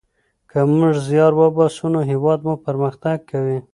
که موږ زیار وباسو نو هیواد مو پرمختګ کوي.